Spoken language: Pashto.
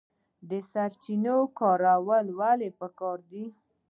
د سرچینو کارول ولې پکار دي؟